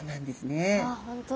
ああ本当だ。